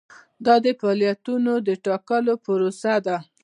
دا د فعالیتونو د ټاکلو پروسه ده.